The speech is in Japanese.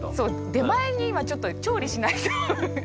出前に今ちょっと調理しないと。